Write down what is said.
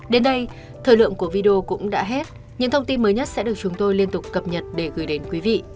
đến đây thời lượng của video cũng đã hết những thông tin mới nhất sẽ được chúng tôi liên tục cập nhật để gửi đến quý vị